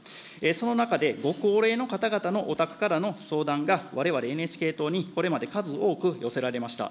その中で、ご高齢の方々のお宅からの相談が、われわれＮＨＫ党に、これまで数多く寄せられました。